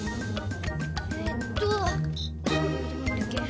えっとなんだっけ。